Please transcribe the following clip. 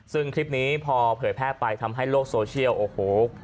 ซึ่งคลิปนี้พอเผยแพร่ไปทำให้โลกโซเชียลโอ้โห